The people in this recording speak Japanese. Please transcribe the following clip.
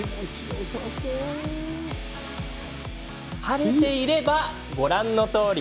晴れていれば、ご覧のとおり。